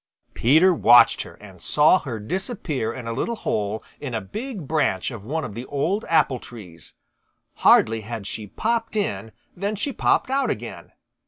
Peter watched her and saw her disappear in a little hole in a big branch of one of the old apple trees. Hardly had she popped in than she popped out again.